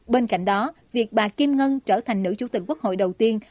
bên cạnh đó việc bà kim ngân trở thành nữ chủ tịch quốc hội đầu tiên